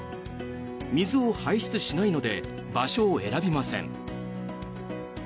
水を排出しないので場所を選びません。